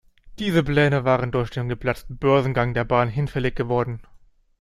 Diese Pläne waren durch den geplatzten Börsengang der Bahn hinfällig geworden.